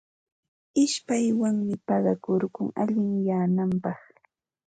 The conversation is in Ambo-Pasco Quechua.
Ishpaywanmi paqakurkun allinyananpaq.